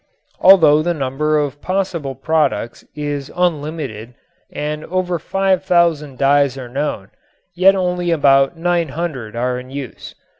Although the number of possible products is unlimited and over five thousand dyes are known, yet only about nine hundred are in use.